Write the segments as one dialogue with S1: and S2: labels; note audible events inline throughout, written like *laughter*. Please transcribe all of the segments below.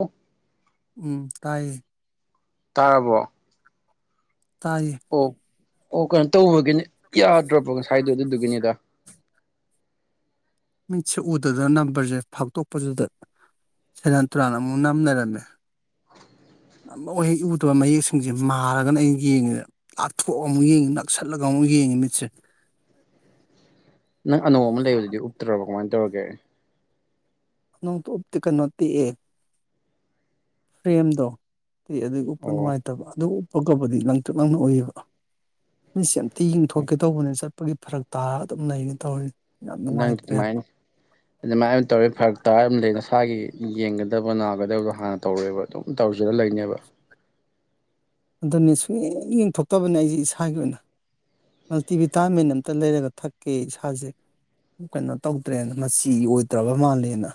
S1: ꯑꯣ
S2: ꯎꯝ ꯇꯥꯏꯌꯦ
S1: ꯇꯥꯔꯕꯣ
S2: ꯇꯥꯏꯦ
S1: ꯑꯣ ꯑꯣ ꯀꯩꯅꯣ ꯇꯧꯔꯒꯦꯅꯦ ꯌꯥꯗ꯭ꯔꯕ ꯉꯁꯥꯏꯗꯣ ꯑꯗꯨꯗꯨꯒꯤꯅꯤꯗ
S2: ꯃꯤꯠꯁꯦ ꯎꯗꯗꯅ ꯅꯝꯕꯔꯁꯦ ꯐꯥꯇꯣꯛꯄꯗꯨꯗ ꯁꯦꯔꯥꯟ ꯇꯨꯔꯥꯟ ꯑꯃꯨꯛ ꯅꯝꯂꯩꯔꯝꯃꯦ ꯑꯃꯕꯨꯛ ꯍꯦꯛ ꯎꯗꯕ ꯃꯌꯦꯛꯁꯤꯡꯁꯦ ꯃꯥꯔꯒꯅꯤ ꯑꯩꯅ ꯌꯦꯡꯉꯤꯁꯦ ꯂꯥꯞꯊꯣꯛꯑꯒ ꯑꯃꯨꯛ ꯌꯦꯡꯉꯤ ꯅꯛꯁꯤꯜꯂꯒ ꯑꯃꯨꯛ ꯌꯦꯡꯉꯤ ꯃꯤꯠꯁꯦ
S1: ꯗꯧꯒꯦ
S2: *unintelligible* ꯐ꯭ꯔꯦꯝꯗꯣ ꯑ ꯑꯗꯨꯒꯤ ꯎꯞꯄ
S1: ꯑꯣ
S2: ꯅꯨꯡꯉꯥꯏꯇꯕ ꯑꯗꯨ ꯑꯊꯥꯞꯄꯗꯤ ꯂꯪꯇ꯭ꯔꯤꯛ ꯂꯥꯡꯅ ꯎꯏꯌꯦꯕ ꯃꯤꯠ ꯁꯦ ꯌꯥꯝ ꯑ
S1: ꯍꯣꯏ
S2: ꯌꯦꯡꯊꯣꯛꯀꯦ ꯇꯧꯕꯅꯦ ꯆꯠ ꯒꯤ ꯐꯔꯛ ꯇꯥꯔꯒ ꯑꯗꯨꯝ ꯂꯩꯅ ꯇꯧꯔꯤ ꯌꯥꯝ
S1: ꯅꯪ
S2: ꯅꯨꯡꯉꯥꯏꯇ꯭ꯔꯦꯕ
S1: ꯑꯗꯨꯃꯥꯏꯅ ꯑꯗꯨꯃꯥꯏꯅ ꯇꯧꯔꯦ ꯐꯔꯛ ꯇꯥꯔ ꯑꯃ ꯂꯩꯅ ꯏꯁꯥꯒꯤ ꯌꯦꯡꯒꯗꯕ ꯅꯥꯒꯗꯕꯗꯣ ꯍꯥꯟꯅ ꯇꯧꯔꯑꯦꯕ ꯑꯗꯨꯝ ꯇꯧꯖꯔ ꯂꯩꯅꯦꯕ
S2: ꯑꯗꯨꯅꯦ ꯁꯨꯡ ꯌꯦꯡꯊꯣꯛꯇꯕꯅꯦ ꯑꯩꯁꯦ ꯏꯁꯥꯒꯤ ꯑꯣꯏꯅ ꯃꯜꯇꯤꯚꯤꯇꯥꯃꯤꯟ ꯑꯝꯇ ꯂꯩꯔꯒ ꯊꯛꯀꯦ ꯏꯁꯥꯁꯦ ꯀꯩꯅꯣ ꯇꯧꯗ꯭ꯔꯦꯅ ꯃꯆꯤ ꯑꯣꯏꯗ꯭ꯔꯕ ꯃꯥꯜꯂꯦꯅ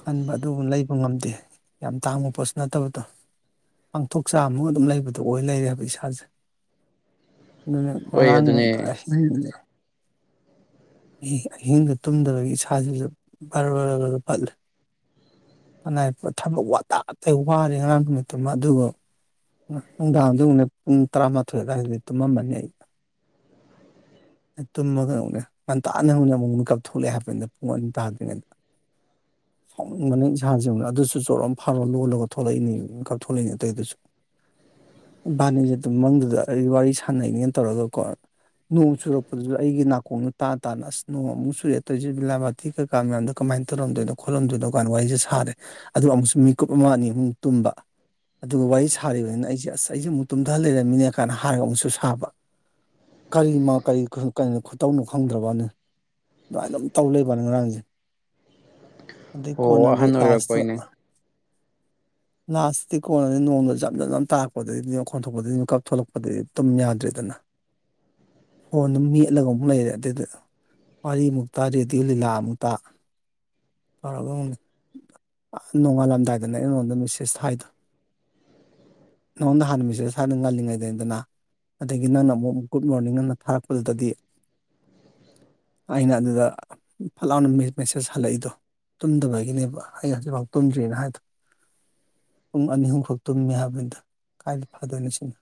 S2: ꯈꯟꯕ ꯑꯗꯨꯕꯨ ꯂꯩꯕ ꯉꯝꯗꯦ ꯌꯥꯝ ꯇꯥꯡꯕ ꯄꯣꯠꯁꯨ ꯅꯠꯇꯕꯗꯣ ꯄꯥꯡꯊꯣꯛ ꯆꯥꯃꯒ ꯑꯗꯨꯝ ꯂꯩꯕꯗꯣ ꯑꯣꯏ ꯂꯩꯔꯦꯕ ꯏꯁꯥꯁꯦ ꯑꯗꯨꯅ
S1: ꯍꯣꯏ ꯑꯗꯨꯅꯦ
S2: *unintelligible* ꯑꯍꯤꯡꯗ ꯇꯨꯝꯗꯕꯒꯤ ꯏꯁꯥꯁꯤꯁꯨ ꯕꯔ ꯕꯔꯔꯒ ꯄꯠꯂꯦ ꯀꯅꯥ ꯊꯕꯛ ꯋꯥ ꯑꯇꯩ ꯋꯥꯔꯦ ꯑꯉꯥꯡ ꯅꯨꯃꯤꯠꯇꯨꯝꯃ ꯑꯗꯨꯒ ꯅꯨꯡꯗꯥꯡꯗꯨꯅ ꯄꯨꯡ ꯇꯔꯥꯃꯥꯊꯣꯏ ꯑꯗꯨꯋꯥꯏꯗꯗꯤ ꯇꯨꯝꯃꯃꯅꯤ ꯑꯩꯩꯅ ꯇꯨꯝꯃꯒꯩꯅꯦ ꯉꯟꯇꯥꯥꯅ ꯑꯃꯨꯛ ꯃꯤꯀꯞꯊꯣꯛꯂꯛꯑꯦ ꯍꯥꯏꯕꯅꯤꯗ ꯄꯨꯡ ꯑꯅꯤ ꯇꯥꯗ꯭ꯔꯤꯉꯩꯗ ꯐꯥꯎꯅꯤꯡꯕꯅꯦ ꯏꯟꯁꯥꯡꯁꯤ ꯑꯃ ꯑꯗꯨꯁꯨ ꯆꯣꯔꯣ ꯐꯥꯎꯔꯣ ꯂꯣꯜꯂꯒ ꯊꯣꯛꯂꯛꯏꯅꯤ ꯀꯥꯞꯊꯣꯛꯂꯛꯏꯅꯦ ꯑꯇꯩꯗꯨꯁꯨ ꯚꯥꯏ ꯅꯪꯁꯦ ꯃꯪꯗꯨꯗ ꯑꯩ ꯋꯥꯔꯤ ꯁꯥꯟꯅꯩꯅꯦꯅ ꯇꯧꯔꯒ ꯀ ꯅꯣꯡ ꯆꯨꯔꯛꯄꯗꯨꯁꯨ ꯑꯩꯒꯤ ꯅꯥꯀꯣꯡꯗ ꯇꯥ ꯇꯥꯅ ꯑꯁ ꯅꯣꯡ ꯑꯃꯨꯛ ꯆꯨꯔꯛ ꯇꯧꯏꯁꯨꯦ ꯕꯤꯂꯥꯕꯥꯥꯇꯤ ꯀꯩꯀꯥ ꯃꯌꯥꯝꯗꯣ ꯀꯃꯥꯏꯅ ꯇꯧꯔꯝꯗꯣꯏꯅꯣ ꯈꯣꯠꯂꯝꯗꯣꯏꯅꯣ ꯀꯥꯟꯗ ꯋꯥꯔꯤꯁꯦ ꯁꯥꯔꯦ ꯑꯗꯨꯒ ꯑꯃꯨꯛꯁꯨ ꯃꯤꯀꯨꯞ ꯑꯃ ꯑꯅꯤꯃꯨꯛ ꯇꯨꯝꯕ ꯑꯗꯨꯒ ꯋꯥꯔꯤ ꯁꯥꯔꯤꯕꯅꯤꯅ ꯑꯩꯁꯦ ꯑꯁ ꯑꯩꯁꯦ ꯑꯃꯨꯛ ꯇꯨꯝꯊꯍ ꯂꯩꯔꯝꯃꯤꯅꯦ ꯀꯥꯏꯗ ꯍꯥꯏꯔꯒ ꯑꯃꯨꯛꯁꯨ ꯁꯥꯕ ꯀꯔꯤ ꯀꯔꯤ ꯀꯣ ꯈꯨꯇꯧꯅꯣ ꯈꯪꯗ꯭ꯔꯕꯅ ꯑꯗꯨꯃꯥꯏꯅ ꯑꯗꯨꯝ ꯇꯧ ꯂꯩꯕꯅꯤ ꯉꯔꯥꯡꯁꯦ ꯑꯗꯨꯗꯩ
S1: ꯑꯣ
S2: ꯀꯣꯟꯅꯗꯤ
S1: ꯑꯍꯟ
S2: ꯂꯥꯁꯇ
S1: ꯑꯣꯏꯔꯛꯄꯩꯅꯦ
S2: ꯂꯥꯁꯇꯗꯤ ꯀꯣꯟꯅꯅꯤ ꯅꯣꯡꯃꯗ ꯖꯝ ꯖꯝ ꯇꯥꯔꯛꯄꯗꯒꯤꯗꯤ ꯈꯣꯟ ꯊꯣꯛꯣꯛꯄꯗꯒꯤ ꯃꯤꯀꯞ ꯊꯣꯛꯂꯛꯄꯗꯗꯤ ꯑꯗꯨꯨꯝ ꯌꯥꯗ꯭ꯔꯦꯗꯅ ꯐꯣꯟꯗꯨ ꯃꯦꯠꯂꯒ ꯑꯃꯨꯛ ꯂꯩꯔꯦ ꯑꯗꯨꯗ ꯋꯥꯔꯤ ꯑꯃꯨꯛꯇ ꯔꯦꯗꯤꯑꯣ ꯂꯤꯂꯥ ꯑꯃꯨꯛꯇ ꯇꯧꯔꯒ ꯑꯃꯨꯛ ꯅꯣꯡꯉꯥꯜꯂꯝꯗꯥꯏꯗꯅ ꯑꯩꯉꯣꯟꯗ ꯃꯦꯁꯦꯖ ꯊꯥꯏꯗꯣ ꯅꯉꯣꯟꯗ ꯍꯥꯟꯅ ꯃꯦꯁꯦꯖ ꯊꯥꯏꯗꯨꯅ ꯉꯜꯂꯤꯉꯩꯗꯒꯤꯗꯅ ꯑꯗꯒꯤ ꯅꯪꯅ ꯑꯃꯨꯛ ꯒꯨꯗ ꯃꯣꯔꯅꯤꯡ ꯑꯅ ꯊꯥꯔꯛꯄꯗꯨꯗꯗꯤ ꯑꯩꯅ ꯑꯗꯨꯗ ꯐꯠ ꯂꯥꯎꯅ ꯃꯦꯁꯦꯖ ꯍꯜꯂꯛꯏꯗꯣ ꯇꯨꯝꯗꯕꯒꯤꯅꯦꯕ ꯑꯩ ꯍꯧꯖꯤꯛꯐꯥꯎ ꯇꯨꯝꯗ꯭ꯔꯤꯑꯅ ꯍꯥꯏꯗꯣ ꯄꯨꯡ ꯑꯅꯤ ꯑꯍꯨꯝꯈꯥꯛ ꯇꯨꯝꯃꯦ ꯍꯥꯏꯕꯅꯤꯗ ꯀꯥꯏꯗ ꯐꯗꯣꯏꯅꯣ ꯁꯤꯅ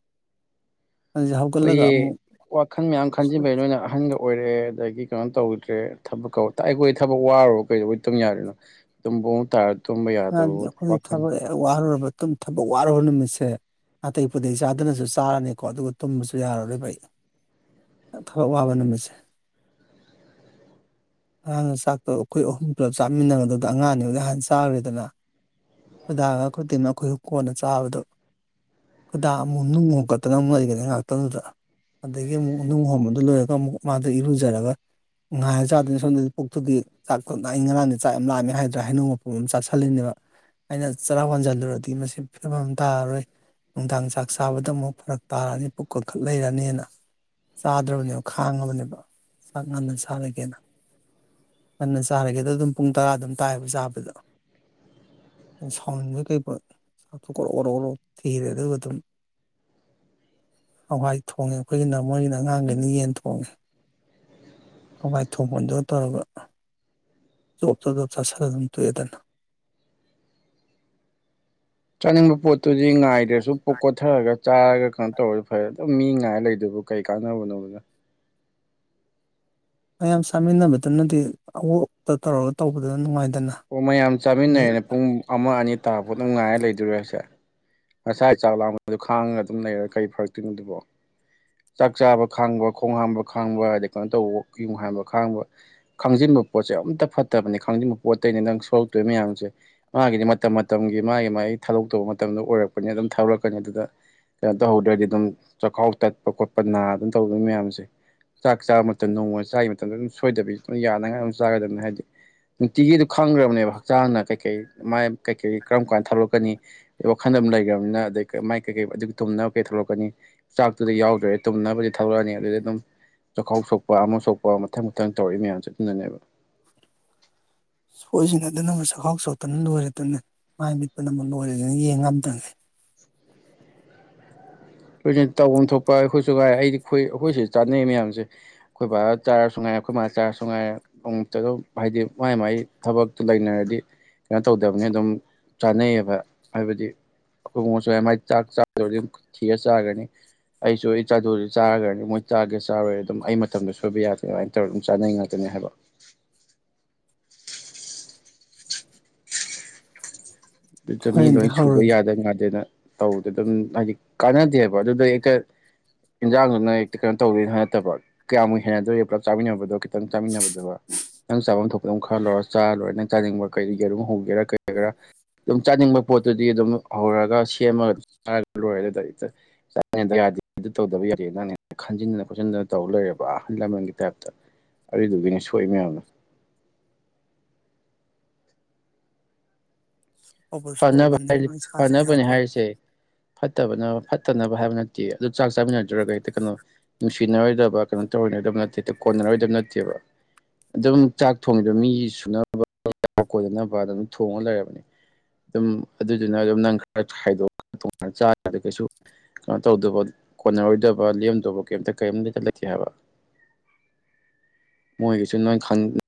S2: *unintelligible*
S1: ꯑꯩꯈꯣꯏꯒꯤ ꯋꯥꯈꯜ ꯃꯌꯥꯝ ꯈꯟꯖꯕꯩ ꯅꯣꯏꯅ ꯑꯍꯟꯒ ꯑꯣꯏꯔꯦꯗꯒꯤ ꯀꯩꯅꯣ ꯇꯧꯗ꯭ꯔꯦ ꯊꯕꯛ ꯑꯩꯈꯣꯏ ꯊꯕꯛ ꯋꯥꯔꯨꯕ ꯀꯩꯗꯧꯕꯩ ꯇꯝ ꯌꯥꯔꯤꯅꯣ ꯇꯝ ꯇꯥꯔ ꯇꯨꯝꯕ ꯌꯥꯗꯕ
S2: ꯑꯈꯣꯏ
S1: ꯋꯥꯈꯜ
S2: ꯊꯕꯔ ꯑꯣꯏ ꯑꯗꯨꯝ ꯊꯕꯛ ꯋꯥꯔꯨꯔꯕ ꯅꯨꯃꯤꯠꯁꯦ ꯑꯅꯥꯇꯩ ꯄꯨꯗꯩ ꯆꯥꯗꯅꯁꯨ ꯆꯥꯔꯅꯤꯀꯣ ꯑꯗꯨꯒ ꯇꯨꯝꯕꯁꯨ ꯌꯥꯔꯣꯏ ꯑꯩ ꯊꯕꯛ ꯋꯥꯕ ꯅꯨꯃꯤꯠꯁꯦ ꯑꯉꯥꯡꯅ ꯆꯥꯛꯇꯣ ꯑꯩꯈꯣꯏ ꯑꯍꯨꯝ ꯄꯨꯂꯞ ꯆꯥꯃꯤꯟꯅꯕꯗꯨꯗ ꯑꯉꯥꯡꯅꯤ ꯍꯥꯟꯅ ꯆꯥꯔꯨꯔꯦ ꯑꯗꯨꯅ ꯈꯨꯣꯏꯗꯥꯒ ꯈꯨꯗꯤꯦꯝꯃꯛ ꯑꯩꯈꯣꯏꯁꯨ ꯀꯣꯟꯅ ꯆꯥꯕꯗꯣ ꯈꯨꯗꯥ ꯑꯃꯨꯛ ꯅꯨꯡ ꯍꯣꯀꯠꯇꯅ ꯑꯃꯨꯛ ꯂꯩꯒꯅꯤ ꯉꯥꯏꯥꯛꯇꯪꯗꯨꯗ ꯑꯗꯒꯤ ꯑꯃꯨꯛ ꯅꯨꯡ ꯍꯣꯟꯕꯗꯨ ꯂꯣꯏꯔꯒ ꯑꯃꯨꯛ ꯃꯥꯗ ꯏꯔꯨꯖꯔꯒ ꯉꯥꯏꯔ ꯆꯥꯗꯅ ꯁꯣꯝꯗꯗꯤ ꯄꯣꯛꯛꯇꯨꯒꯤ ꯆꯥꯛꯣ ꯉꯔꯥꯡꯗꯤ ꯆꯥꯛ ꯌꯥꯝ ꯂꯥꯛꯑꯃꯦ ꯍꯥꯏꯗ꯭ꯔꯥ ꯍꯥꯏꯩꯅꯅꯨꯡ ꯃꯄꯐꯝ ꯑꯃ ꯆꯥꯁꯤꯦ ꯈꯜꯂꯤꯅꯦꯕ ꯑꯩꯅ ꯆꯔꯥꯛ ꯋꯥꯟꯁꯤꯜꯂꯨꯔꯗꯤ ꯃꯁꯤ ꯐꯤꯕꯝ ꯇꯥꯔꯔꯣꯏ ꯅꯨꯡꯗꯥꯡ ꯆꯥꯛ ꯆꯥꯕꯗ ꯑꯃꯨꯛ ꯐꯔꯛ ꯇꯥꯔꯛꯅꯤ ꯄꯨꯛ ꯀ ꯈꯠ ꯂꯩꯔꯅꯤꯅ ꯆꯥꯗ꯭ꯔꯕꯅꯦꯕ ꯈꯥꯡꯉꯕꯅꯦꯕ ꯆꯥꯛ ꯉꯟꯅ ꯆꯔꯒꯦꯅ ꯉꯟꯅ ꯆꯥꯔꯒꯦꯗ ꯑꯗꯨꯝ ꯄꯨꯡ ꯇꯔꯥ ꯑꯗꯨꯝ ꯇꯥꯏꯕ ꯆꯥꯕꯗꯣ ꯁꯥꯎꯅꯤꯡꯕ ꯀꯩꯊꯣꯛ꯭ꯔꯣ ꯒ꯭ꯔꯣ ꯭ꯔꯣꯛ ꯊꯤꯔꯦ ꯑꯗꯨꯒ ꯑꯗꯨꯝ ꯍꯋꯥꯏ ꯊꯣꯡꯉꯦ ꯑꯩꯈꯣꯏꯒꯤꯅ ꯃꯣꯏꯒꯤꯅ ꯑꯉꯥꯡꯈꯅ ꯌꯦꯟ ꯊꯣꯡꯉꯦ ꯍꯋꯥꯏ ꯊꯣꯡꯐꯝꯗꯨ ꯇꯧꯔꯒ ꯖꯣꯞ ꯆꯣꯖꯣꯞ ꯆꯥꯁꯤꯂ ꯑꯗꯨꯝ ꯇꯣꯛꯑꯦꯗꯅ
S1: ꯆꯅꯤꯡ ꯄꯣꯠꯇꯨꯗꯤ ꯉꯥꯏꯗ꯭ꯔꯁꯨ ꯀꯣꯊꯔꯒ ꯆꯥꯔꯒ ꯀꯩꯅꯣ ꯇꯧꯔꯗꯤ ꯐꯔꯦ ꯑꯗꯨꯝ ꯃꯤ ꯉꯥꯏꯔ ꯂꯩꯗꯣꯏꯕ ꯀꯩ ꯀꯥꯟꯅꯕꯅꯣꯕꯅ
S2: ꯃꯌꯥꯝ ꯆꯥꯃꯤꯟꯅꯕꯗꯅꯗꯤ ꯑꯋꯇ ꯇꯧꯔꯒ ꯇꯧꯕꯗꯨ ꯅꯨꯡꯉꯥꯏꯇꯦ
S1: ꯑꯣ ꯃꯌꯥꯝ ꯆꯥꯃꯤꯟꯅꯔꯦꯅꯦ ꯄꯨꯡ ꯑꯃ ꯑꯅꯤ ꯇꯥꯐ ꯑꯗꯨꯝ ꯉꯥꯏꯔ ꯂꯩꯗꯣꯏꯔꯦꯁꯦ ꯉꯁꯥꯏ ꯆꯥꯛ ꯂꯥꯡꯕꯗꯨ ꯈꯥꯡꯉꯒ ꯑꯗꯨꯝ ꯂꯩꯔꯒ ꯀꯔꯤ ꯐꯔꯛꯇꯣꯏꯅꯣꯗꯨꯕꯣ ꯆꯥꯛ ꯆꯥꯕ ꯈꯥꯡꯕ ꯈꯣꯡ ꯍꯥꯝꯕ ꯈꯥꯡꯕ ꯑꯗꯩ ꯀꯩꯅꯣ ꯇꯧꯕ ꯌꯣꯡ ꯍꯥꯝꯕ ꯈꯥꯡꯕ ꯈꯥꯡꯖꯤꯟꯕ ꯄꯣꯠꯁꯦ ꯑꯝꯇ ꯐꯠꯇꯕꯅꯤ ꯈꯥꯡꯖꯤꯟꯕ ꯄꯣꯠꯇꯩꯅꯤ ꯅꯪ ꯁꯣꯔꯂꯛꯇꯣꯏ ꯃꯌꯥꯝꯁꯦ ꯃꯥꯒꯤꯗꯤ ꯃꯇꯝ ꯃꯇꯝꯒꯤ ꯃꯥꯒꯤ ꯃꯥꯒꯤ ꯊꯥꯗꯣꯛꯇꯧꯕ ꯃꯇꯝꯗ ꯑꯣꯏꯔꯛꯄꯅꯤ ꯑꯗꯨꯝ ꯊꯥꯗꯣꯔꯛꯀꯅꯤ ꯑꯗꯨꯗ ꯀꯩꯅꯣ ꯇꯧꯍꯧꯗ꯭ꯔꯗꯤ ꯑꯗꯨꯝ ꯆꯥꯛꯈꯥꯎ ꯇꯠ ꯈꯣꯠꯄ ꯈꯣꯠꯄ ꯅꯥ ꯑꯗꯨꯝ ꯇꯧꯗꯣꯏꯅꯤ ꯃꯌꯥꯝꯁꯦ ꯆꯥꯛ ꯆꯥꯕ ꯃꯇꯝꯗ ꯅꯣꯡꯃ ꯆꯥ ꯃꯇꯝꯗ ꯑꯗꯨꯝ ꯁꯣꯏꯗꯕꯤ ꯑꯗꯨꯝ ꯌꯥꯅꯉꯥꯏꯝ ꯆꯥꯒꯗꯕꯅꯤ ꯍꯥꯏꯗꯤ ꯅꯨꯡꯇꯤꯒꯤꯗ ꯈꯪꯈ꯭ꯔꯕꯅꯦꯕ ꯍꯛꯆꯥꯡꯅ ꯀꯩꯀꯩ ꯃꯥꯏ ꯀꯩꯀꯩ ꯀꯔꯝ ꯀꯥꯟꯗ ꯊ ꯊꯣꯛꯂꯛꯀꯅꯤ ꯋꯥꯈꯜꯗ ꯂꯩꯈ꯭ꯔꯕꯅꯤꯅ ꯑꯗꯩ ꯃꯥꯏ ꯀꯩꯀꯩ ꯑꯗꯨ ꯇꯨꯝꯅꯕ ꯀꯩ ꯊ ꯊꯣꯛꯂꯛꯀꯅꯤ ꯑꯗꯨꯗ ꯌꯥꯎꯗ꯭ꯔꯦ ꯇꯨꯝꯅꯕꯗꯤ ꯊꯧꯂꯛꯑꯅꯤ ꯑꯗꯨꯗꯤ ꯑꯗꯨꯝ ꯆꯥꯛꯈꯥꯎ ꯁꯣꯛꯄ ꯑꯃ ꯁꯣꯛꯄ ꯃꯊꯪ ꯃꯊꯪ ꯇꯧꯔꯛꯏ ꯃꯌꯥꯝꯁꯦ ꯑꯗꯨꯅꯅꯦꯕ
S2: ꯁꯣꯏꯁꯤꯡ ꯑꯗꯨꯅ ꯑꯃ ꯆꯥꯛꯈꯥꯎ ꯆꯣꯛꯠꯇꯅ ꯂꯣꯏꯔꯦꯗꯅ ꯃꯥꯏ ꯃꯤꯠꯄꯅ ꯑꯃꯨꯛ ꯂꯣꯏꯔꯦꯗꯅ ꯌꯦꯡꯉꯝꯗꯦ
S1: ꯂꯣꯏꯁꯤꯟ ꯇꯧꯐꯝ ꯊꯣꯛꯄ ꯑꯩꯈꯣꯏꯁꯨ ꯉꯥꯏꯦ ꯑꯩꯗꯤ ꯑꯩꯣꯏ ꯑꯩꯈꯣꯏ ꯁꯤꯗ ꯆꯥꯅꯩ ꯃꯌꯥꯝꯁꯦ ꯑꯩꯈꯣꯏ ꯕꯕꯥ ꯆꯥꯔꯁꯨ ꯉꯥꯏꯔꯦ ꯑꯩꯈꯣꯏ ꯃꯥꯅ ꯆꯥꯔꯁꯨ ꯉꯥꯏꯔꯦ ꯑꯃꯨꯛꯇ ꯑꯗꯨꯝ ꯍꯥꯏꯗꯤ ꯃꯥꯏ ꯃꯥꯏ ꯊꯕꯛꯇꯨ ꯂꯩꯅꯔꯗꯤ ꯀꯩꯅꯣ ꯇꯧꯗꯕꯅꯤ ꯑꯗꯨꯝ ꯆꯥꯅꯩꯌꯦꯕ ꯍꯥꯏꯕꯗꯤ ꯑꯩꯈꯣꯏ ꯎꯉꯠꯁꯨ ꯃꯥꯏ ꯆꯥꯛ ꯆꯥꯗꯔꯗꯤ ꯊꯤꯔ ꯆꯥꯔꯒꯅꯤ ꯑꯩꯁꯨ ꯑꯩ ꯆꯥꯗꯨꯗꯤ ꯆꯥꯔꯒ꯭ꯔꯅꯤ ꯃꯣꯏ ꯆꯥꯒꯦ ꯆꯥꯔꯣꯏꯦ ꯑꯗꯨꯝ ꯑꯩ ꯃꯇꯝꯗ ꯁꯣꯏꯕ ꯌꯥꯒꯅꯤ ꯑꯗꯨꯃꯥꯏꯅ ꯇꯧꯔꯒ ꯑꯗꯨꯝ ꯆꯥꯅꯩ ꯉꯥꯛꯇꯅꯤ ꯍꯥꯏꯕ ꯑꯗꯨ ꯆꯃꯤ
S2: ꯍꯣꯔꯦꯟꯗꯤ
S1: ꯂꯣꯏ ꯁꯨꯕ
S2: ꯍꯧꯔꯒꯦ
S1: ꯌꯥꯗ ꯉꯗꯅ ꯇꯧꯕꯗ ꯑꯗꯨꯝ ꯍꯥꯏꯗꯤ ꯀꯥꯟꯅꯗꯦꯕ ꯑꯗꯨꯗ ꯍꯦꯛꯇ ꯏꯟꯖꯥꯡꯗꯨꯅ ꯍꯦꯛꯇ ꯀꯩꯅꯣ ꯇꯧꯗꯣꯏꯅ ꯅꯠꯇꯕ ꯀꯌꯥꯃꯨꯛ ꯍꯦꯟꯅꯗꯣꯏꯔꯤꯦ ꯄꯨꯂꯞ ꯆꯥꯃꯤꯟꯅꯕꯗꯣ ꯈꯤꯇꯪ ꯆꯥꯃꯤꯟꯅꯕꯗꯣ ꯅꯪ ꯆꯥꯐꯝ ꯊꯣꯛꯇ ꯑꯃ ꯈꯔ ꯂꯧꯣꯏꯔ ꯆꯥ ꯂꯣꯏꯔꯦ ꯅꯪ ꯆꯥꯅꯤꯡꯕ ꯀꯩ ꯌꯦꯔꯨꯝ ꯍꯧꯒꯦꯔꯥ ꯀꯩꯒꯦꯔꯥ ꯑꯗꯨꯝ ꯆꯥꯅꯤꯡꯕ ꯄꯣꯠꯇꯨꯗꯤ ꯑꯗꯨꯝ ꯍꯧꯔꯒ ꯁꯦꯝꯃꯒꯔ ꯂꯣꯏꯔꯦ ꯑꯗꯨ ꯌꯥꯗꯦ ꯇꯧꯗꯕ ꯌꯥꯗꯦ ꯅꯪꯦ ꯈꯟꯖꯤꯟꯗꯅ ꯈꯣꯠꯆꯤꯟꯗꯅ ꯇꯧ ꯂꯣꯏꯔꯦꯕ ꯑꯍꯜ ꯂꯃꯟꯒꯤ ꯇꯥꯏꯞꯇ ꯑꯗꯨꯏꯗꯨꯒꯤꯅꯦ ꯁꯣꯛꯏ ꯃꯌꯥꯝꯅ
S2: ꯎ ꯑꯣꯕ
S1: ꯐꯅꯕ
S2: ꯁꯣꯛꯑꯕꯅꯤ
S1: ꯍꯥꯏ
S2: ꯃꯣꯏ ꯁꯥꯖ
S1: ꯐꯅꯕꯅꯦ
S2: ꯌꯥꯗ꯭ꯔꯕꯅꯤ
S1: ꯍꯥꯏꯔꯤꯁꯦ ꯐꯠꯇꯕꯅ ꯐꯠꯇꯅꯕ ꯍꯥꯏꯕ ꯅꯠꯇꯦ ꯑꯗꯨ ꯆꯥꯛ ꯆꯥꯃꯤꯟꯅꯗ꯭ꯔꯒ ꯍꯦꯛꯇ ꯀꯩꯅꯣ ꯅꯨꯡꯁꯤꯅꯔꯣꯏꯗꯕ ꯀꯩꯅꯣ ꯇꯧꯔꯔꯣꯏꯗꯕ ꯅꯠꯇꯦ ꯍꯦꯛꯇ ꯀꯣꯟꯅꯔꯣꯏꯗꯕ ꯅꯠꯇꯦꯕ ꯑꯗꯨꯝ ꯆꯥꯛ ꯊꯣꯡꯉꯤꯕ ꯃꯤ ꯁꯨꯅꯕ ꯀꯣꯟꯅꯅꯕ ꯑꯗꯨꯝ ꯊꯣꯡꯉ ꯂꯩꯔꯕꯅꯤ ꯑꯗꯨꯝ ꯑꯗꯨꯗꯨꯅ ꯑꯗꯨꯝ ꯅꯪ ꯈꯔꯗꯣꯛꯑ ꯆꯥ ꯀꯩꯁꯨ ꯀꯩꯅꯣ ꯇꯧꯗꯕ ꯀꯣꯟꯅꯔꯣꯏꯗꯕ ꯂꯦꯝꯗꯕ ꯀꯩꯝꯇ ꯀꯔꯤꯝꯇꯇ ꯂꯩꯇꯦ ꯍꯥꯏꯕ ꯃꯣꯏꯒꯤꯁꯨ ꯅꯣꯏ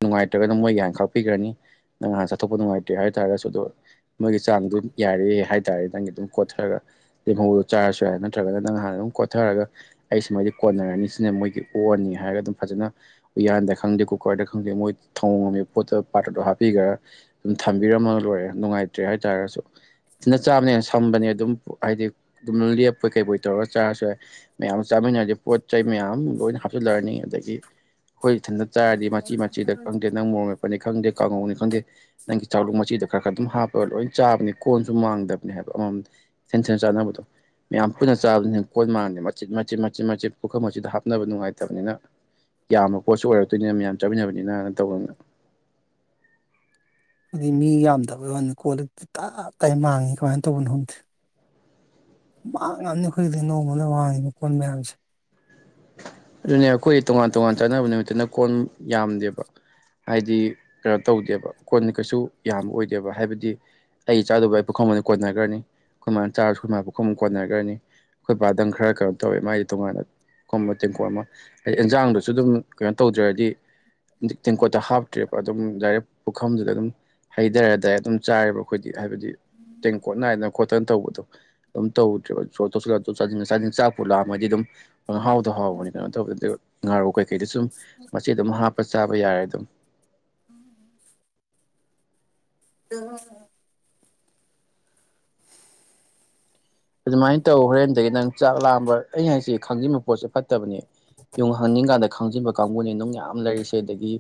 S1: ꯅꯨꯡꯉꯥꯏꯇ꯭ꯔꯒꯅ ꯃꯣꯏꯒꯤ ꯍꯥꯏꯅ ꯈꯥꯛꯄꯤꯈ꯭ꯔꯅꯤ ꯅꯪ ꯉꯥꯟꯅ ꯆꯠꯊꯣꯛꯄ ꯅꯨꯡꯉꯥꯏꯇ꯭ꯔꯦ ꯍꯥꯏ ꯇꯥꯔꯒꯁꯨ ꯑꯗꯨꯗꯣ ꯃꯣꯏꯒꯤ ꯆꯥꯡꯗꯨ ꯌꯥꯔꯦ ꯍꯥꯏ ꯇꯥꯔꯦ ꯅꯪꯒꯤ ꯑꯗꯨꯝ ꯀꯣꯠꯊꯔꯒ ꯂꯦꯝꯍꯧꯗꯣ ꯆꯥꯔꯁꯨ ꯌꯥꯔꯦ ꯅꯠꯇ꯭ꯔꯒꯅ ꯅꯪ ꯅ ꯍꯥꯟꯅ ꯑꯗꯨꯝ ꯀꯣꯠꯊꯔꯒ ꯑꯩ ꯁꯨꯃꯥꯏꯗꯤ ꯀꯣꯟꯅꯔꯅꯤ ꯁꯤꯅ ꯃꯣꯏꯒꯤ ꯑꯣꯑꯅꯤ ꯍꯥꯏꯔꯒ ꯑꯗꯨꯝ ꯐꯖꯅ ꯎꯌꯥꯟꯗ ꯈꯪꯗꯦ ꯀꯨꯀꯔꯗ ꯈꯪꯗꯦ ꯃꯣꯏ ꯊꯣꯡꯝꯉꯝꯃꯤꯕ ꯄꯣꯠꯇꯨꯣ ꯄꯥꯇ꯭ꯔꯗꯣ ꯍꯥꯞꯄꯤꯈ꯭ꯔ ꯑꯗꯨꯝ ꯊꯝꯕꯤꯔꯝꯃꯒ ꯂꯣꯏꯔꯦ ꯅꯨꯡꯉꯥꯏꯇ꯭ꯔꯦ ꯍꯥꯏꯇꯥꯥꯔꯒꯁꯨ ꯐꯖꯅ ꯆꯥꯕꯅꯦꯅ ꯁꯝꯕꯅꯦ ꯑꯗꯨꯝ ꯍꯥꯏꯗꯤ ꯑꯗꯨꯝ ꯂꯦꯞꯄꯣꯏ ꯀꯩꯕꯣꯏ ꯇꯧꯔꯒ ꯆꯥꯔꯁꯨ ꯌꯥꯏ ꯃꯌꯥꯝ ꯆꯥꯃꯤꯟꯅꯔꯗꯤ ꯄꯣꯠ ꯆꯩ ꯃꯌꯥꯝ ꯂꯣꯏꯅ ꯍꯥꯞꯆꯤꯜꯂꯔꯅꯤ ꯑꯗꯒꯤ ꯍꯣꯏ ꯊꯟꯗ ꯆꯥꯔꯗꯤ ꯃꯆꯤ ꯃꯆꯤꯗ ꯈꯪꯗꯦ ꯅꯪ ꯃꯣꯔꯝꯛꯄꯅꯤ ꯈꯪꯗꯦ ꯀꯥꯡꯉꯧꯅꯤ ꯈꯪꯗꯦ ꯅꯪꯒꯤ ꯆꯥꯛꯂꯛ ꯃꯆꯤꯗꯣ ꯈꯔ ꯈꯔ ꯑꯗꯨꯝ ꯍꯥꯞꯄꯒ ꯂꯣꯏ ꯆꯥꯕꯅꯤ ꯀꯣꯟꯁꯨ ꯃꯥꯡꯗꯕꯅꯤ ꯍꯥꯏꯕ ꯑꯃꯃꯝ ꯁꯦꯟ ꯁꯦꯟ ꯆꯥꯅꯕꯗꯣ ꯃꯌꯥꯝ ꯄꯨꯟꯅ ꯆꯥꯕꯅꯤ ꯅ ꯀꯣꯟ ꯃꯥꯡꯗꯦ ꯃꯆꯦꯠ ꯃꯆꯦꯠ ꯃꯆꯦꯠ ꯃꯆꯦꯠ ꯄꯨꯈꯔ ꯃꯆꯤꯗ ꯍꯥꯞꯅꯕ ꯅꯨꯡꯉꯥꯏꯇꯕꯅꯤꯅ ꯌꯥꯝꯕ ꯄꯣꯠꯁꯨ ꯑꯣꯏꯔꯛꯇꯣꯏꯅ ꯃꯌꯥꯝ ꯆꯥꯃꯤꯟꯅꯕꯅꯤꯅ ꯇꯧꯕꯒꯅ
S2: ꯍꯥꯏꯗꯤ ꯃꯤ ꯌꯥꯝꯗꯕꯩ ꯋꯥꯅꯤ ꯀꯣꯜꯂꯛꯇ ꯇꯥ ꯇꯥꯏ ꯃꯥꯡꯉꯤ ꯀꯃꯥꯏꯅ ꯇꯧꯕꯅꯣ ꯈꯣꯗꯦ ꯃꯥꯡꯉꯝꯅꯤ ꯍꯧꯈꯖꯤꯛꯇꯤ ꯅꯣꯡꯃꯗ ꯃꯥꯡꯉꯤꯕ ꯀꯣꯟ ꯃꯌꯥꯝꯁꯦ
S1: ꯑꯗꯨꯅ ꯑꯩꯈꯣꯏ ꯇꯣꯉꯥꯟ ꯇꯣꯉꯥꯟ ꯆꯥꯟꯅꯕ ꯅꯨꯃꯤꯠꯇꯅ ꯀꯣꯟ ꯌꯥꯝꯗꯦꯕ ꯍꯥꯏꯗꯤ ꯀꯩꯅꯣ ꯇꯧꯗꯦꯕ ꯀꯣꯟꯅ ꯀꯩꯁꯨ ꯌꯥꯝꯕ ꯑꯣꯏꯗꯦꯕ ꯍꯥꯏꯕꯗꯤ ꯑꯩ ꯆꯥꯗꯕ ꯑꯩ ꯄꯨꯈꯨꯝ ꯀꯣꯟꯅꯈ꯭ꯔꯅꯤ ꯑꯩꯈꯣꯏ ꯃꯥꯅ ꯆꯥꯔꯁꯨ ꯑꯩꯈꯣꯏ ꯃꯥ ꯄꯨꯈꯨꯝ ꯀꯣꯟꯅꯈ꯭ꯔꯅꯤ ꯑꯩꯈꯣꯏ ꯄꯕꯥꯗꯪ ꯈꯔ ꯀꯩꯅꯣ ꯇꯧꯋꯦ ꯃꯥꯁ ꯇꯣꯉꯥꯟꯅ ꯈꯕ ꯇꯦꯡꯀꯣꯠ ꯑꯃ ꯑꯗꯩ ꯑꯦꯟꯖꯥꯡꯗꯨꯁꯨ ꯑꯗꯨꯝ ꯀꯩꯅꯣ ꯇꯧꯗ꯭ꯔꯗꯤ ꯇꯦꯡꯀꯣꯠꯇ ꯍꯥꯞꯇ꯭ꯔꯤꯕ ꯑꯗꯨꯝ ꯗꯥꯏꯔꯦꯛ ꯄꯨꯈꯝꯗꯨꯗ ꯑꯗꯨꯝ ꯍꯩꯊꯔꯗꯥꯏ ꯑꯗꯨꯝ ꯆꯥꯔꯦꯔꯤꯕ ꯑꯩꯈꯣꯏꯗꯤ ꯍꯥꯏꯕꯗꯤ ꯇꯦꯡꯀꯣꯠ ꯅꯥꯏꯗꯅ ꯈꯣꯠꯇꯅ ꯇꯧꯕꯗꯣ ꯑꯗꯨꯝ ꯇꯧꯗ꯭ꯔ ꯆ ꯂꯥ ꯑꯗꯨꯝ ꯍꯥꯎ ꯇꯧꯕꯅꯤ ꯀꯩꯅꯣ ꯇꯧꯕꯗ ꯉꯥꯔꯨ ꯀꯩꯀꯩꯗ ꯁꯨꯝ ꯃꯁꯤ ꯑꯗꯨꯝ ꯍꯥꯞꯄ ꯆꯥꯕ ꯌꯥꯔꯦ ꯑꯗꯨꯝ
S2: ꯑꯗꯨꯃ
S1: ꯑꯗꯨꯃꯥꯏꯅ ꯇꯧ ꯍꯣꯔꯦꯟꯗꯒꯤ ꯅꯪ ꯆꯥꯛ ꯂꯥꯝꯕ ꯑꯩꯅ ꯍꯥꯏꯦ ꯈꯪꯖꯤꯟꯕ ꯄꯣꯠꯁꯦ ꯐꯠꯇꯦ ꯕꯅꯦ ꯌ ꯍꯪꯅꯤꯡ ꯀꯥꯟꯗ ꯈꯪꯖꯤꯟꯕ ꯀꯥꯡꯕꯨꯅꯤ ꯑꯗꯨꯝꯅ ꯌꯥꯝ ꯂꯩꯔꯤꯁꯦ ꯑꯗꯒꯤ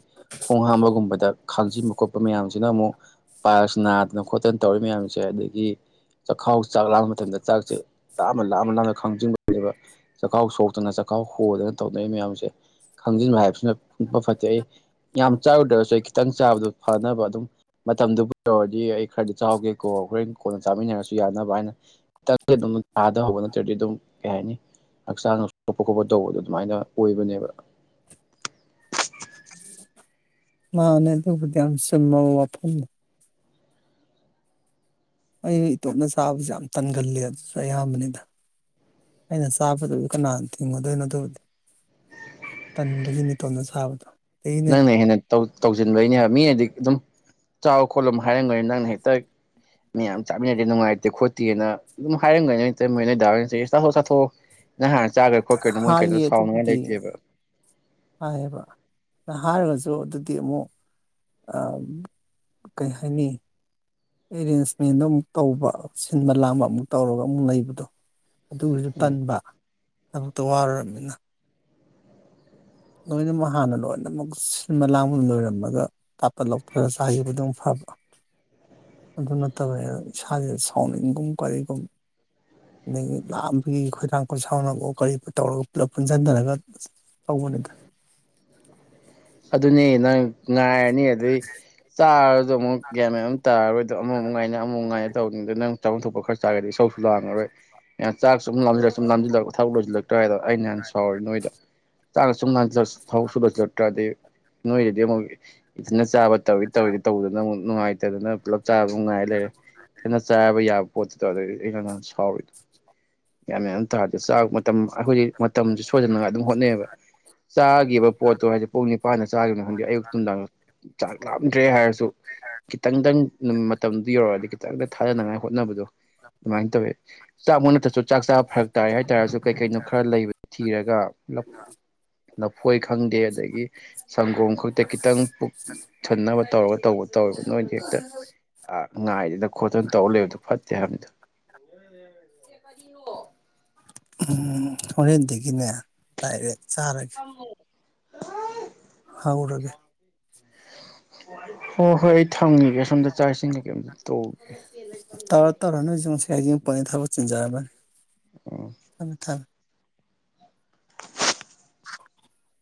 S1: ꯈꯣꯡ ꯍꯥꯝꯕꯒꯨꯝꯕꯗ ꯈꯥꯡꯖꯤꯟꯕ ꯈꯣꯠꯄ ꯃꯌꯥꯝꯁꯤꯅ ꯑꯃꯨꯛ ꯄꯥ ꯅꯥꯗꯅ ꯈꯣꯠꯇꯅ ꯇꯧꯔꯤ ꯃꯌꯥꯝꯁꯦ ꯑꯗꯒꯤ ꯆꯈꯥꯎ ꯆꯥꯛ ꯂꯥꯡꯕ ꯃꯇꯝꯗ ꯆ ꯆꯥꯛꯁꯦ ꯂꯥꯞ ꯑꯃ ꯂꯥꯞ ꯑꯃ ꯂꯥꯝꯅ ꯈꯪꯖꯤꯟꯕꯅꯦꯕ ꯆꯥꯛꯈꯥꯎ ꯁꯣꯛꯇꯅ ꯆꯥꯛꯈꯥꯎ ꯍꯣꯗꯅ ꯇꯧꯅꯩ ꯃꯌꯥꯝꯁꯦ ꯈꯪꯖꯤꯟꯕ ꯍꯥꯏꯕꯁꯤꯅ ꯄꯄ ꯐꯠꯇꯦ ꯑꯩ ꯌꯥꯝ ꯆꯥꯔꯨꯗ꯭ꯔꯁꯨ ꯑꯩ ꯈꯤꯇꯪ ꯆꯥꯕꯗꯨꯣ ꯐꯅꯕ ꯑꯗꯨꯝ ꯃꯇꯝꯗꯨꯕꯨꯔꯗꯤ ꯑꯩ ꯈꯔꯗꯤ ꯆꯥꯎꯥꯒꯦ ꯀꯣ ꯈꯣꯔꯦꯟ ꯀꯣꯟꯅ ꯆꯥꯃꯤꯟꯅꯔꯁꯨ ꯌꯥꯅꯕ ꯍꯥꯏꯅ ꯑꯗꯨꯝ ꯊꯥꯗꯍꯧꯕ ꯅꯠꯇ꯭ꯔꯗꯤ ꯑꯗꯨꯝ ꯀꯩ ꯍꯥꯏꯅꯤ ꯍꯛꯆꯥꯡ ꯁꯣꯛꯄ ꯈꯣꯠꯄ ꯇꯧꯕꯗꯣ ꯑꯗꯨꯃꯥꯏꯅ ꯑꯣꯏꯕꯅꯦꯕ
S2: ꯃꯥꯅꯦ ꯑꯗꯨꯕꯨꯗꯤ ꯌꯥꯝ ꯆꯨꯝꯃꯕ ꯋꯥꯐꯝꯅꯤ ꯑꯩ ꯏꯇꯣꯝꯅ ꯆꯥꯕꯁꯨ ꯌꯥꯝ ꯇꯟꯒꯜꯂ ꯑꯗꯨꯁꯨ ꯑꯌꯥꯝꯕꯅꯤꯗ ꯑꯩꯅ ꯆꯥꯕꯗꯁꯨ ꯀꯅꯥ ꯊꯤꯡꯒꯗꯣꯏꯅꯣ ꯑꯗꯨꯕꯨꯗꯤ ꯇꯟꯕꯒꯤꯅꯤꯇꯣꯞꯅ ꯆꯥꯕꯗꯣ ꯑꯗꯒꯤꯅꯦ
S1: ꯅꯪꯅ ꯍꯦꯟꯅ ꯇꯧꯁꯤꯟꯕꯩꯅꯦ ꯍꯥꯏꯕ ꯃꯤꯅꯗꯤ ꯑꯗꯨꯝ ꯆꯥꯎ ꯈꯣꯠꯂꯝ ꯍꯥꯏꯔꯝꯒꯅꯤ ꯅꯪꯅ ꯍꯦꯛꯇ ꯃꯌꯥꯝ ꯆꯥꯃꯤꯟꯅꯗꯦ ꯅꯨꯡꯉꯥꯏꯇꯦ ꯈꯣꯠꯇꯦꯅ ꯑꯗꯨꯝ ꯍꯥꯏꯔꯝꯒꯅꯤ ꯃꯣꯏꯅꯗꯥꯎ ꯆꯥꯊꯣꯛ ꯆꯥꯊꯣꯛ ꯅꯍꯥꯟ ꯆꯥꯈ꯭ꯔꯦ ꯈꯣꯠꯀ꯭ꯔꯦꯅ ꯃꯣꯏ ꯀꯩꯅꯣ
S2: ꯍꯥꯏꯌꯦ
S1: ꯁꯥꯎꯅꯨꯡꯉꯥꯏ
S2: ꯑꯗꯨꯕꯨꯗꯤ
S1: ꯂꯩꯇꯦꯕ
S2: ꯍꯥꯏꯌꯦꯕ ꯑꯗꯨ ꯍꯥꯏꯔꯒꯁꯨ ꯑꯗꯨꯗꯤ ꯑꯃꯨꯛ ꯀꯩ ꯍꯥꯏꯅꯤ ꯑꯦꯔꯦꯟꯖꯃꯦꯟꯗꯣ ꯑꯃꯨꯛ ꯇꯧꯕ ꯁꯤꯟꯕ ꯂꯥꯡꯕ ꯑꯃꯨꯛ ꯇꯧꯔꯒ ꯑꯃꯨꯛ ꯂꯩꯕꯗꯣ ꯑꯗꯨꯁꯨ
S1: ꯎꯝ
S2: ꯄꯟꯕ ꯇ ꯋꯥꯔꯕꯃꯤꯅ ꯂꯣꯏꯅꯃꯛ ꯍꯥꯟꯅ ꯂꯣꯏꯅꯃꯛ ꯁꯤꯟꯕ ꯂꯥꯡꯕ ꯂꯣꯏꯔꯝꯃꯒ ꯇꯥꯞꯄ ꯂꯧꯊꯔ ꯆꯥꯈꯤꯕꯗꯨꯝ ꯐꯕ ꯑꯗꯨ ꯅꯠꯇꯕꯅꯤ ꯏꯁꯥꯥꯁꯗ ꯁꯥꯎꯅꯤꯡꯒꯨꯝ ꯀꯔꯤꯒꯨꯝ ꯑꯗꯒꯤ ꯂꯥꯝꯕꯒꯤ ꯈꯣꯏꯗꯥꯥꯡ ꯈꯣꯏꯠꯁꯥꯎꯅꯕꯒ ꯀꯔꯤ ꯇꯧꯔꯒ ꯄꯨꯂꯞ ꯄꯨꯟꯁꯤꯟꯊꯔꯒ ꯑꯅꯤ ꯏꯗ
S1: ꯑꯗꯨꯅꯦ ꯅꯪ ꯉꯥꯏꯔꯅꯤ ꯑꯗꯩ ꯆꯥ ꯑꯗ ꯑꯃꯨꯛ ꯒ꯭ꯌꯥ ꯃꯌꯥꯝ ꯑꯃ ꯇꯥꯔꯣꯏꯗꯣ ꯑꯃꯨꯛ ꯉꯥꯏꯅ ꯑꯃꯨꯃꯨꯛ ꯉꯥꯏꯅ ꯇꯧꯅꯤꯡꯗꯣ ꯅꯪ ꯆꯥꯐꯝꯊꯣꯛꯄ ꯈꯔ ꯆꯥꯒꯗꯤ ꯏꯁꯆꯧꯁꯨ ꯂꯥꯡꯉꯔꯣꯏ ꯆꯥꯛ ꯁꯨꯝꯥꯖꯜꯂ ꯁꯨꯝꯥꯝꯁꯤꯜꯂ ꯊꯕꯛꯣꯏꯜꯛ ꯀꯋꯥꯏꯗꯣ ꯑꯩꯅꯍꯥꯟ ꯁꯥꯎꯔꯤ ꯅꯣꯏꯗ ꯇꯥ ꯁꯨꯝ ꯍꯥꯎ ꯁꯨꯕꯥꯥꯖ ꯆꯇ꯭ꯔꯥꯗ ꯅꯣꯏꯔꯗꯤ ꯑꯃꯨꯛ ꯏꯗꯨꯅ ꯆꯥꯕ ꯇꯧꯋ ꯇꯧꯔꯤꯗꯤ ꯇꯧꯗꯅꯪꯛ ꯅꯨꯪꯉꯥꯏꯇꯥꯗꯅꯥ ꯄꯨꯜꯂꯞ ꯆꯥꯕꯅꯨꯡꯉꯥꯏ ꯂꯩꯔꯦ ꯀꯈꯤꯟꯅ ꯆꯥꯕ ꯌꯥꯕ ꯄꯣꯠꯇ ꯇꯗꯤ ꯑꯩꯩꯅ ꯁꯥꯎꯔꯤꯗ ꯌꯥꯝ ꯃꯦꯟ ꯇꯥꯗꯦ ꯆꯥꯛ ꯃꯇꯝ ꯑꯩꯈꯣꯏꯗꯤ ꯃꯇꯝꯁ ꯁꯣꯏꯖꯟꯅꯉ ꯑꯗꯨꯝ ꯍꯣꯠꯅꯩꯑꯕ ꯆꯥꯈꯤꯕ ꯄꯣꯠꯇꯣ ꯍꯥꯏꯗꯤ ꯄꯨꯛꯅꯤ ꯅ ꯆꯥꯒꯅ ꯈꯪꯗꯦ ꯑꯌꯨꯛ ꯅꯨꯡꯗꯥꯡ ꯆꯥꯛ ꯂꯥꯝꯗ꯭ꯔꯦ ꯍꯥꯏꯔꯁꯨ ꯈꯤꯇꯪꯗꯪ ꯃꯇꯝꯗꯨ ꯌꯧꯔꯛꯑꯗꯤ ꯈꯤꯇꯪꯗ ꯊꯥꯗꯅꯉꯥꯏ ꯍꯣꯠꯅꯕꯗꯣ ꯑꯗꯨꯃꯥꯏꯅ ꯇꯧꯋꯦ ꯆꯥꯛ ꯅꯥꯞ ꯇꯁꯨ ꯆꯥꯛ ꯆꯥꯕ ꯐꯔꯛ ꯇꯥꯔꯦ ꯍꯥꯏꯇꯥꯔꯁꯨ ꯀꯩ ꯀꯩꯅꯣ ꯈꯔ ꯂꯩꯕ ꯊꯤꯔꯒ ꯅꯕꯨꯣꯏ ꯐꯪꯗꯦ ꯑꯗꯒꯤ ꯁꯪꯒꯣꯝ ꯈꯛꯇ ꯈꯤꯇꯪ ꯄꯨꯛ ꯊꯟꯅꯕ ꯇꯧꯔꯒ ꯇꯧꯕ ꯇꯧꯋꯦꯕ ꯅꯣꯏꯁ ꯍꯦꯛꯇ ꯉꯥꯏꯗꯅ ꯈꯣꯠꯇꯅ ꯇꯧꯔ ꯂꯩꯕꯗꯣ ꯐꯠꯇꯦ ꯍꯥꯏꯕꯗ
S2: ꯎꯝ ꯍꯣꯔꯗꯦ ꯀꯅꯦ ꯇꯥꯏꯔꯦ ꯆꯔꯒꯤ
S1: *unintelligible*
S2: ꯍꯥꯎꯔꯒꯦ
S1: ꯍꯣꯏ ꯍꯣꯏ ꯑꯩ ꯊ ꯐꯪꯉꯤꯒꯦ ꯁꯣꯝꯗ ꯆꯥꯛꯏꯁꯤꯡ ꯀꯩ ꯀꯩ ꯑꯝ ꯇꯣ
S2: ꯇꯧꯔꯣ ꯇꯧꯔꯣ ꯅꯣꯏꯁꯨ ꯉꯥ ꯀꯌꯥꯖꯤꯡ ꯄꯛ ꯊꯕꯛ ꯆꯤꯟꯖꯥꯔꯝꯃꯅꯤ
S1: ꯎꯝ
S2: ꯊꯝꯃꯦ ꯊꯝꯃꯦ *unintelligible*